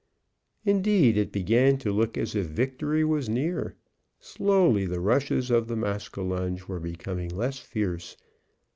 Indeed, it began to look as if victory was near. Slowly the rushes of the maskinonge were becoming less fierce.